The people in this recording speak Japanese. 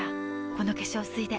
この化粧水で